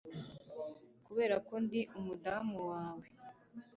Kubera ko ndi umudamu wawe